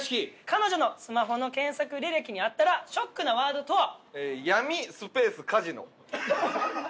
彼女のスマホの検索履歴にあったらショックなワードとは？